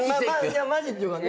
マジっていうかね